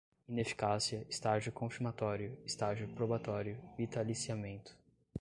ineficácia, estágio confirmatório, estágio probatório, vitaliciamento